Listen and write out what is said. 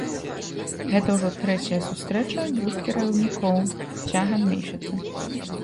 Гэта ўжо трэцяя сустрэча двух кіраўнікоў цягам месяца.